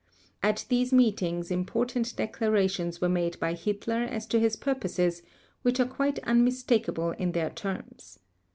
At these meetings important declarations were made by Hitler as to his purposes, which are quite unmistakable in their terms.